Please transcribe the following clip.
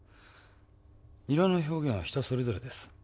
色の表現は人それぞれです。